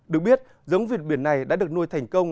được biết giống vịt biển này đã được nuôi thành công